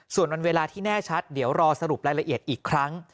ส่วนวันเวลาที่แน่ชัดเดี๋ยวรอสรุปรายละเอียดอีกครั้ง